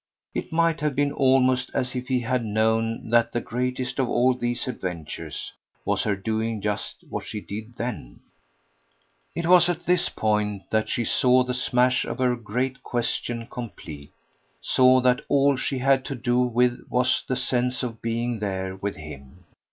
It might have been almost as if he had known that the greatest of all these adventures was her doing just what she did then. It was at this point that she saw the smash of her great question complete, saw that all she had to do with was the sense of being there with him.